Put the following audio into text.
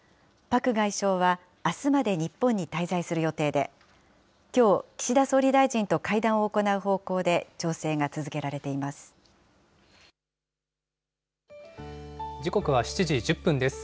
パク外相はあすまで、日本に滞在する予定できょう、岸田総理大臣と会談を行う方向で調整が続けら時刻は７時１０分です。